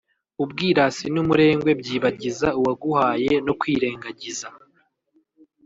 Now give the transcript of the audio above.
ubwirasi n’umurengwe byibagiza uwaguhaye no kwirengagiza